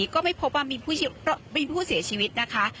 ก็ไม่พบว่ามีผู้เสียชีวิตนะคะ